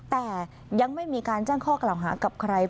แต่ยังไม่มีการแจ้งข้อกล่าวหากับใคร